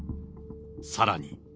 さらに。